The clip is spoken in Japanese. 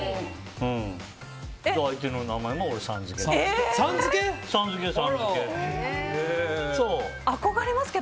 相手の名前もさん付け。